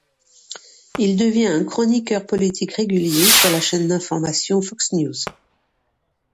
Il devient un chroniqueur politique régulier sur la chaine d'information Fox News.